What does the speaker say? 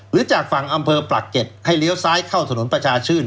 หรือจากฝั่งอำเภอปรักเก็ตให้เลี้ยวซ้ายเข้าถนนประชาชื่น